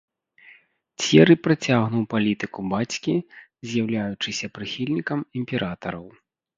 Цьеры працягнуў палітыку бацькі, з'яўляючыся прыхільнікам імператараў.